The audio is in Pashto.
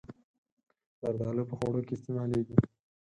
زردالو په خوړو کې استعمالېږي.